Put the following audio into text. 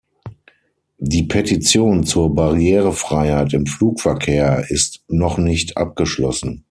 Die Petition zur Barrierefreiheit im Flugverkehr ist noch nicht abgeschlossen.